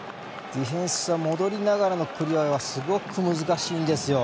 ディフェンス戻りながらのクリアはすごく難しいんですよ。